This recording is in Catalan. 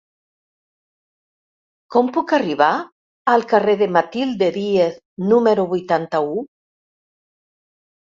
Com puc arribar al carrer de Matilde Díez número vuitanta-u?